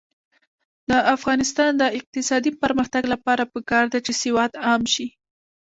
د افغانستان د اقتصادي پرمختګ لپاره پکار ده چې سواد عام شي.